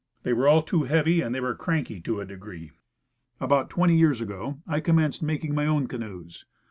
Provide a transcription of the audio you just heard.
They were all too heavy, and they were cranky to a degree. About twenty years ago I commenced making my own canoes.